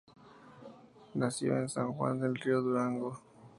Nació en San Juan del Río, Durango.